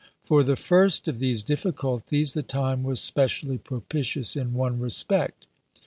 For the first of these difficulties the time was specially propitious in one respect.